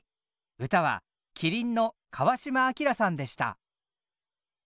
歌は麒麟の川島明さんでした。